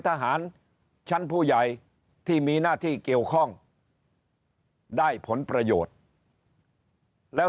ทหารชั้นผู้ใหญ่ที่มีหน้าที่เกี่ยวข้องได้ผลประโยชน์แล้ว